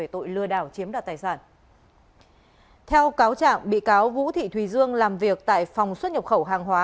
theo cáo trạng bị cáo vũ thị thùy dương làm việc tại phòng xuất nhập khẩu hàng hóa